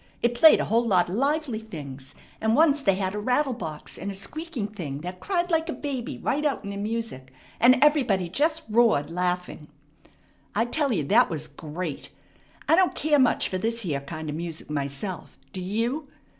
It played a whole lot of lively things, and once they had a rattle box and a squeaking thing that cried like a baby right out in the music, and everybody just roared laughing. I tell you that was great. I don't care much for this here kind of music myself. Do you?"